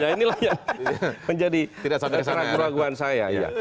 nah inilah yang menjadi peraguan saya